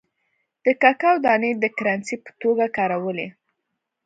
د ککو دانې د کرنسۍ په توګه کارولې.